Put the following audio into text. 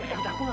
ma mau sendirian